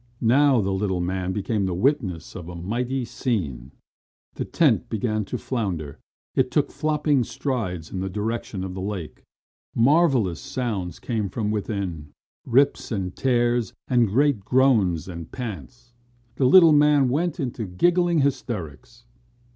Now the little man became the witness of a mighty scene. The tent began to flounder. It took flopping strides in the direction of the lake. Marvellous sounds came from within rips and tears, and great groans and pants. The little man went into giggling hysterics.